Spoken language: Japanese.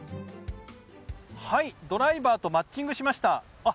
ドライバーとマッチングしました。